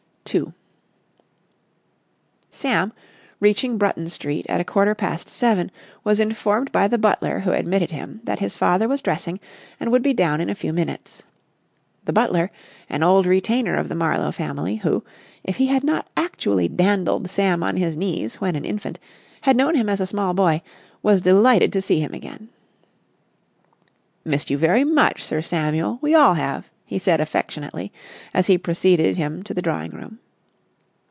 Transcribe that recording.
§ 2 Sam, reaching Bruton Street at a quarter past seven, was informed by the butler who admitted him that his father was dressing and would be down in a few minutes. The butler, an old retainer of the Marlowe family, who, if he had not actually dandled Sam on his knees when an infant, had known him as a small boy, was delighted to see him again. "Missed you very much, Mr. Samuel, we all have," he said affectionately, as he preceded him to the drawing room.